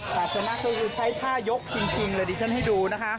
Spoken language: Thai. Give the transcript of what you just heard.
สาธารณะคือใช้ผ้ายกจริงเลยดิฉันให้ดูนะคะ